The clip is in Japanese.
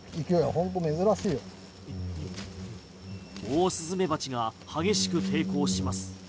オオスズメバチが激しく抵抗します。